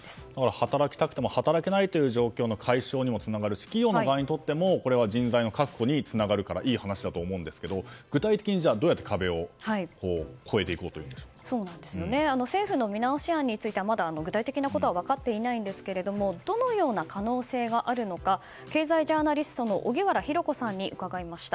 働きたくても働けない状況の解消にもつながるし企業の場合にとっても人材の確保につながるからいい話だと思うんですけど具体的にどうやって壁を越えていこう政府の見直し案についてはまだ具体的なことは分かっていないんですがどのような可能性があるのか経済ジャーナリストの荻原博子さんに伺いました。